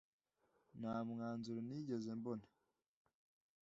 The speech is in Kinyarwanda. Nta mwanzuro nigeze mbona.